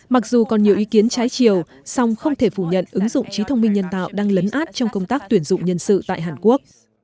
mặc dù còn nhiều ý kiến trái chiều song không thể phủ nhận ứng dụng trí thông minh nhân tạo đang lấn át trong công tác tuyển dụng nhân sự tại hàn quốc